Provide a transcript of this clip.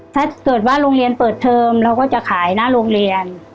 ถ้าเกิดว่าโรงเรียนเปิดเทอมเราก็จะขายหน้าโรงเรียน